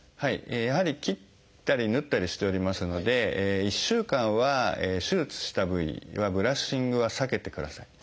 やはり切ったり縫ったりしておりますので１週間は手術した部位にはブラッシングは避けてください。